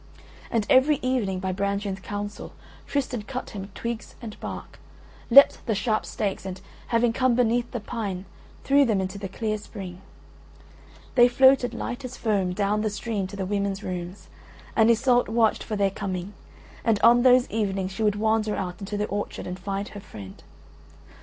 And every evening, by Brangien's counsel, Tristan cut him twigs and bark, leapt the sharp stakes and, having come beneath the pine, threw them into the clear spring; they floated light as foam down the stream to the women's rooms; and Iseult watched for their coming, and on those evenings she would wander out into the orchard and find her friend.